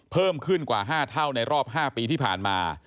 เพิ่มขึ้นกว่า๕เท่าในรอบ๕ปีที่ผ่านมา